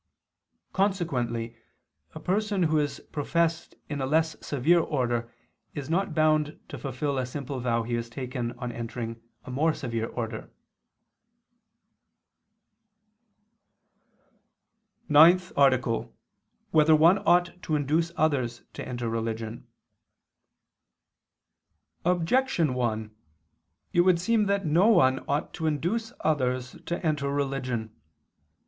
Consequently a person who is professed in a less severe order is not bound to fulfil a simple vow he has taken on entering a more severe order. _______________________ NINTH ARTICLE [II II, Q. 189, Art. 9] Whether One Ought to Induce Others to Enter Religion? Objection 1: It would seem that no one ought to induce others to enter religion.